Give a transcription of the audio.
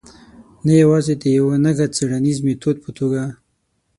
نه یوازې د یوه نګه څېړنیز میتود په توګه.